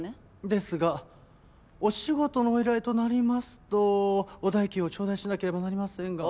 ですがお仕事のお依頼となりますとお代金をちょうだいしなければなりませんが。